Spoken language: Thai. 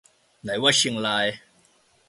ไหนว่าเชียงราย